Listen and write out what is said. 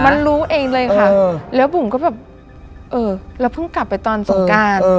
มันรู้เองเลยค่ะแล้วบุ๋มก็แบบเออเราเพิ่งกลับไปตอนสงการ